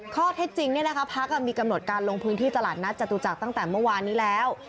ข้อเท็จจริงพักมีกำหนดการลงพื้นที่ตลาดนัดจตุจักรตั้งแต่เมื่อวานนี้แล้ว